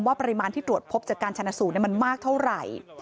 ปริมาณที่ตรวจพบจากการชนะสูตรมันมากเท่าไหร่